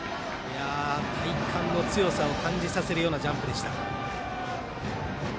体幹の強さを感じさせるようなジャンプでした。